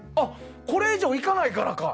これ以上いかないからか。